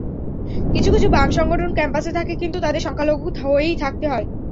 কিছু কিছু বাম সংগঠন ক্যাম্পাসে থাকে কিন্তু তাদের সংখ্যালঘু হয়েই থাকতে হয়।